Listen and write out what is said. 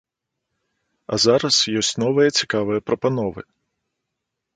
А зараз ёсць новыя цікавыя прапановы.